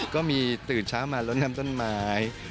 ก็มีตืดช้ามาลดนำต้นไม้